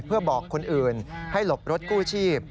เพื่อบอกคนอื่นให้หลบรถกู้ชีพ